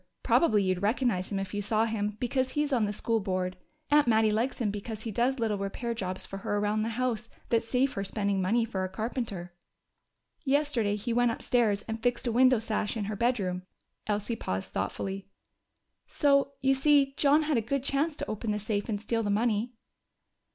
Probably you'd recognize him if you saw him, because he's on the School Board. Aunt Mattie likes him because he does little repair jobs for her around the house that save her spending money for a carpenter. "Yesterday he went upstairs and fixed a window sash in her bedroom." Elsie paused thoughtfully. "So you see John had a good chance to open the safe and steal the money."